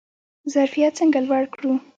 ظرفیت څنګه لوړ کړو؟